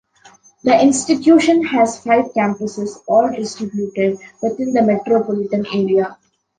The institution has five campuses, all distributed within the metropolitan area.